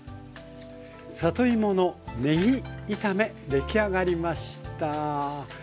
出来上がりました。